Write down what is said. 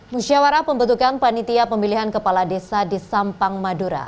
musyawarah pembentukan panitia pemilihan kepala desa di sampang madura